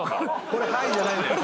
これ「はい」じゃないのよ